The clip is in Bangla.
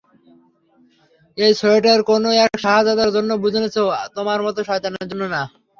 এই সোয়েটার কোনো এক শাহজাদার জন্য বুনছে, তোমার মতো শয়তানের জন্য না।